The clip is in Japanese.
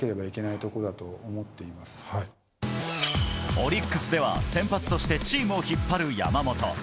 オリックスでは、先発としてチームを引っ張る山本。